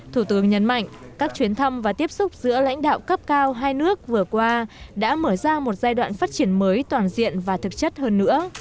thủ tướng nhấn mạnh các chuyến thăm và tiếp xúc giữa lãnh đạo cấp cao hai nước vừa qua đã mở ra một giai đoạn phát triển mới toàn diện và thực chất hơn nữa